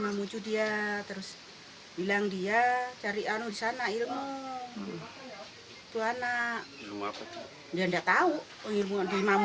bagong hanyadr roofing di se souffl fa coco di sini selain kremel yang sekarang yang ditolakhh quark lalu datang kristalhan